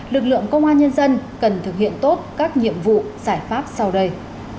lực lượng công an nhân dân cần thực hiện tốt các nhiệm vụ giải pháp sau đây